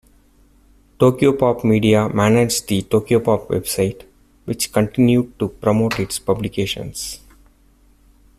Tokyopop Media managed the Tokyopop website, which continued to promote its publications.